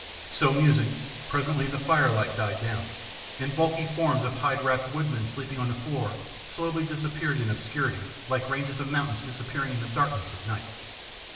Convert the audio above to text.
So musing, presently the firelight died down, and bulky forms of hide wrapped woodmen sleeping on the floor slowly disappeared in obscurity like ranges of mountains disappearing in the darkness of night.